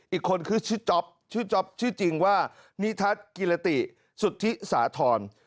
อีกคนคือชื่อจ๊อปชื่อจ๊อปชื่อจริงว่านิทัศน์กิรติสุทธิสาธร